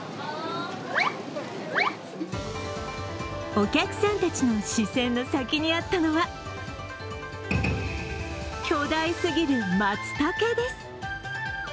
お客さんたちの視線の先にあったのは、巨大すぎるまつたけです。